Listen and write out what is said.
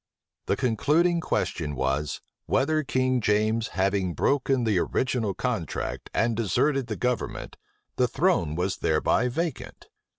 The concluding question was, "Whether King James having broken the original contract, and deserted the government, the throne was thereby vacant?"